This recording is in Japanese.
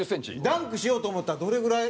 ダンクしようと思ったらどれぐらい？